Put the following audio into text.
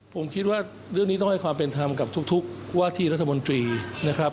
ผมคิดว่าเรื่องนี้ต้องให้ความเป็นธรรมกับทุกว่าที่รัฐมนตรีนะครับ